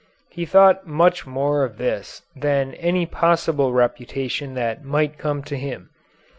He thought much more of this than of any possible reputation that might come to him.